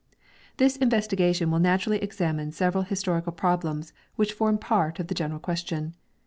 This investigation will naturally examine several historical problems which form part of the general question.